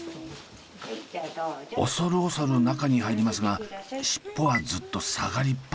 恐る恐る中に入りますが尻尾はずっと下がりっぱなし。